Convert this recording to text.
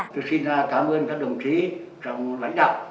tôi xin cảm ơn các đồng chí trong lãnh đạo